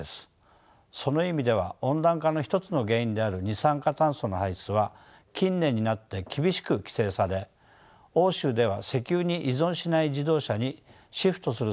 その意味では温暖化の一つの原因である二酸化炭素の排出は近年になって厳しく規制され欧州では石油に依存しない自動車にシフトする政策が進められております。